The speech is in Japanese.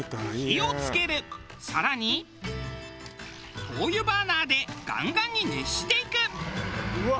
更に灯油バーナーでガンガンに熱していく。